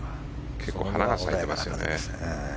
結構花が咲いてますよね。